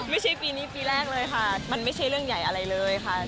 ไม่ใช่ปีนี้ปีแรกเลยค่ะมันไม่ใช่เรื่องใหญ่อะไรเลยค่ะ